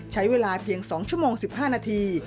ใช้เวลาเพียง๒ชั่วโมง๑๕นาที